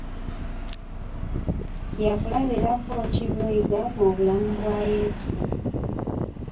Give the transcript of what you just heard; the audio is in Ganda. Bya kulabirako ki by'oyiga mu bulamu bwa yeezu?